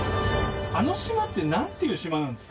あの島ってなんていう島なんですか？